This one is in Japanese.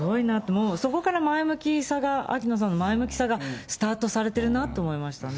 もうそこから前向きさが、秋野さんの前向きさがスタートされてるなと思いますね。